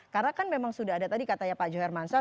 karena kan memang sudah ada tadi katanya pak johar mansyah